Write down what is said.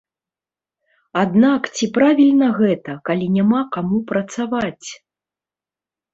Аднак ці правільна гэта, калі няма каму працаваць?!